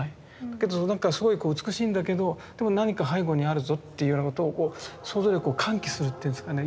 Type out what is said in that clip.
けどなんかすごいこう美しいんだけどでも何か背後にあるぞっていうようなことをこう想像力を喚起するっていうんですかね